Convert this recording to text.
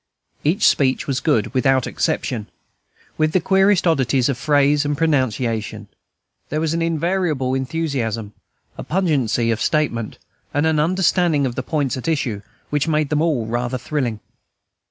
Every speech was good, without exception; with the queerest oddities of phrase and pronunciation, there was an invariable enthusiasm, a pungency of statement, and an understanding of the points at issue, which made them all rather thrilling.